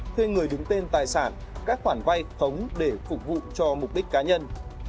thuê người đứng tên tài sản các khoản vay khống để phục vụ cho mục đích cá nhân